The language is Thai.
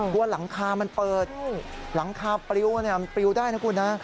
กลัวหลังคามันเปิดหลังคาปริ๋วปริ๋วได้นะคุณนะ